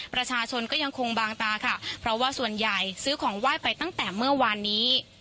ประชาชนก็ยังคงบางตาค่ะเพราะว่าส่วนใหญ่ซื้อของไหว้ไปตั้งแต่เมื่อวานนี้